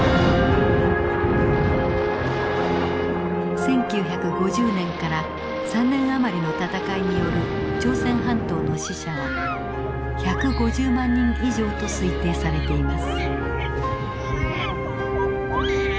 １９５０年から３年余りの戦いによる朝鮮半島の死者は１５０万人以上と推定されています。